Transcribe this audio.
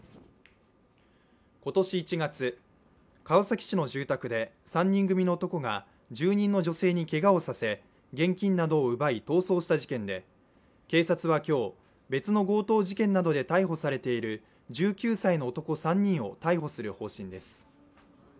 今年１月、川崎市の住宅で３人組の男が住人の女性にけがをさせ現金などを奪い逃走した事件で警察は今日、別の強盗事件などで逮捕されている１９歳の男３人を逮捕する方針です。